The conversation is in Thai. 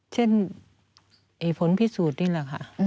เช่นผลพิสูจน์นี่แหละค่ะ